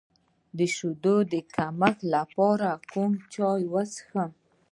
د شیدو د کمښت لپاره کوم چای وڅښم؟